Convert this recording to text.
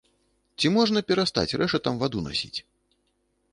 Ці можна перастаць рэшатам ваду насіць?